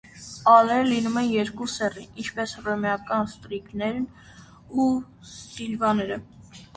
Ալերը լինում են երկու սեռի, ինչպես հռոմեական ստրիգներն ու սիլվաները։